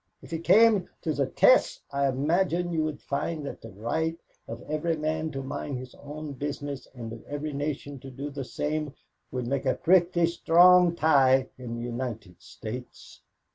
If it came to the test I imagine you would find that the right of every man to mind his own business and of every nation to do the same, would make a pretty strong tie in the United States.